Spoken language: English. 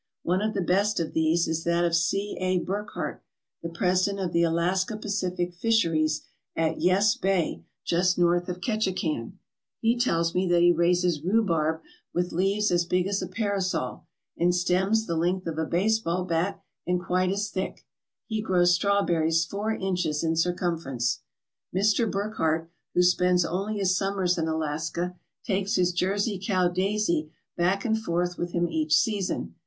One of the best of these is that of C. A. Burckhardt, the president of the Alaska Pacific Fisheries at Yess Bay, just north of Ketchikan. He tells me that 62 FARM LANDS OF THE FUTURE he raises rhubarb with leaves as big as a parasol and stems the length of a baseball bat and quite as thick. He grows strawberries four inches in circumference. Mr. Burckhardt, who spends only his summers in Alaska, takes his Jersey cow, Daisy, back and forth with him each season.